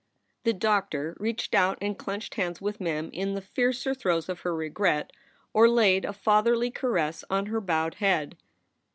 The doctor reached out and clenched hands with Mem in the fiercer throes of her regret, or laid a fatherly caress on her bowed head.